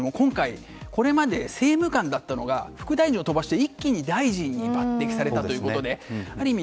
今回、これまで政務官だったのが副大臣を飛ばして、一気に大臣に抜擢されたということである意味